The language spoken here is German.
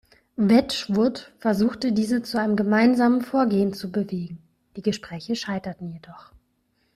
Wedgwood versuchte diese zu einem gemeinsamen Vorgehen zu bewegen, die Gespräche scheiterten jedoch.